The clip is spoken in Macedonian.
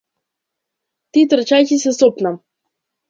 Ти трчајќи се сопна.